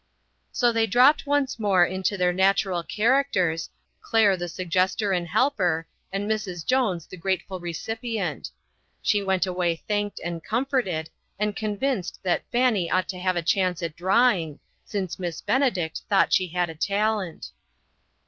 So they dropped once more into their natural characters, Claire the suggester and helper, and Mrs. Jones the grateful recipi ent. She went away thanked and comforted, and convinced that Fanny ought to have a / chance at drawing, since Miss Benedict thought she had a talent.